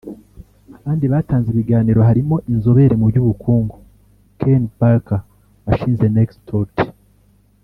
Abandi batanze ibiganiro harimo inzobere mu by’ubukungu Ken Parker washinze NextThought